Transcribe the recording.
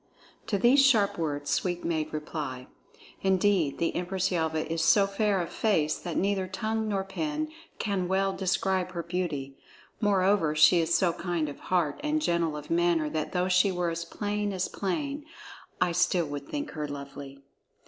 To these sharp words Sweep made reply: "Indeed, the Empress Yelva is so fair of face that neither tongue nor pen can well describe her beauty. Moreover, she is so kind of heart and gentle of manner that though she were as plain as plain, I still would think her lovely!"